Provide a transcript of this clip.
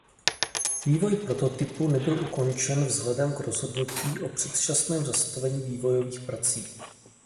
Vývoj prototypu nebyl ukončen vzhledem k rozhodnutí o předčasném zastavení vývojových prací.